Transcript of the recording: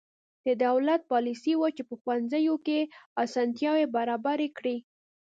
د دولت پالیسي وه چې په ښوونځیو کې اسانتیاوې برابرې کړې.